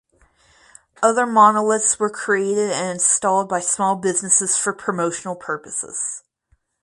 Other monoliths were created and installed by small businesses for promotional purposes.